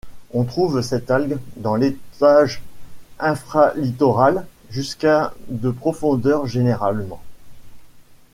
On trouve cette algue dans l'étage infralittoral, jusqu'à de profondeur généralement.